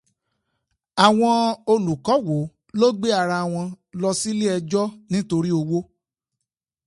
Àwọn olùkọ́ wo ló gbé ara wọn lọ sílé ẹjọ́ nítorí owó?